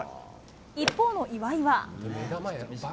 一方の岩井は。